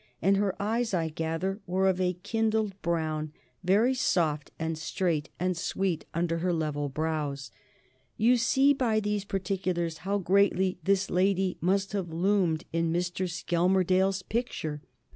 And her eyes, I gather, were of a kindled brown, very soft and straight and sweet under her level brows. You see by these particulars how greatly this lady must have loomed in Mr. Skelmersdale's picture.